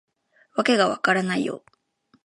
わけが分からないよ